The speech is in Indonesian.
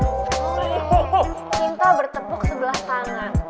cinta bertepuk sebelah tangan